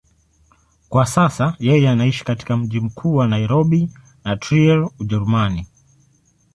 Kwa sasa yeye anaishi katika mji mkuu wa Nairobi na Trier, Ujerumani.